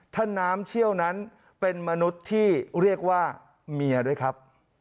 ถ้าน้ำเชี่ยวนั้นเป็นมนุษย์ที่เรียกว่าเมียด้วยครับ